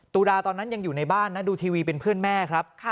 ตุดาตอนนั้นยังอยู่ในบ้านนะดูทีวีเป็นเพื่อนแม่ครับ